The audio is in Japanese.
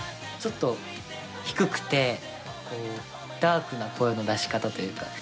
ちょっと低くて、ダークな声の出し方というか。